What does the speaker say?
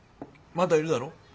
まだいるだろ？